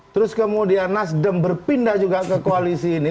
terus kemudian nasdem berpindah juga ke koalisi ini